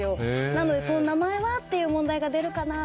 なので「その名前は？」っていう問題が出るかなと。